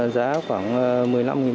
giá khoảng một mươi năm một cân ạ